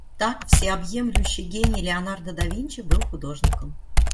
Так, всеобъемлющий гений Леонардо да Винчи был художником.